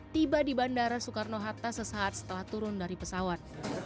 tiba di bandara soekarno hatta sesaat setelah turun dari pesawat